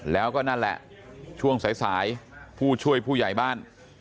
แล้วก็นั่นแหละช่วงสายผู้ช่วยผู้ใหญ่บ้าน